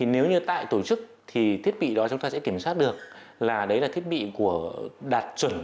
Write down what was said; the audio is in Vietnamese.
nếu tại tổ chức thiết bị đó chúng ta sẽ kiểm soát được là thiết bị đạt chuẩn